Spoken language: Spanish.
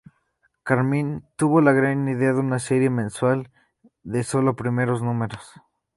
Carmine tuvo la gran idea de una serie mensual de solo primeros números.